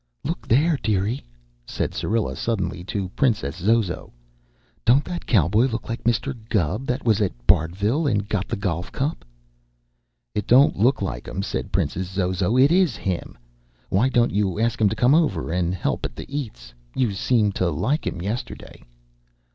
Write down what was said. "Look there, dearie," said Syrilla suddenly to Princess Zozo, "don't that cowboy look like Mr. Gubb that was at Bardville and got the golf cup?" "It don't look like him," said Princess Zozo; "it is him. Why don't you ask him to come over and help at the eats? You seemed to like him yesterday."